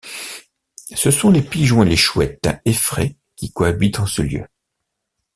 Ce sont les pigeons et les chouettes effraies qui cohabitent en ce lieu.